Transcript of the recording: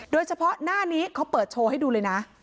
โดยเฉพาะหน้านี้เขาเปิดโชว์ให้ดูเลยนะ